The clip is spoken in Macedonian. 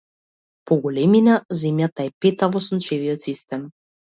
По големина земјата е петта во сончевиот систем.